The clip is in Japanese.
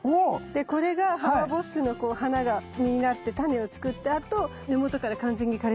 でこれがハマボッスの花が実になってタネを作ったあと根元から完全に枯れちゃってたの。